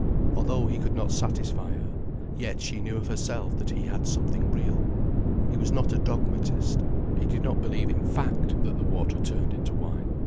Although he could not satisfy her, yet she knew of herself that he had something real. He was not a dogmatist. He did not believe in fact that the water turned into wine.